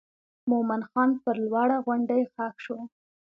مومن خان پر لوړه غونډۍ ښخ شو.